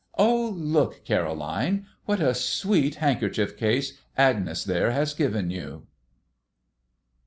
"Oh, look, Caroline, what a sweet handkerchief case Agnes there has given you!"